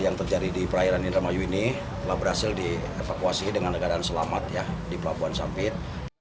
yang terjadi di perairan indramayu ini telah berhasil dievakuasi dengan keadaan selamat di pelabuhan sampit